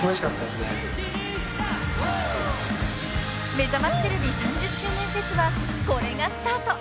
［めざましテレビ３０周年フェスはこれがスタート］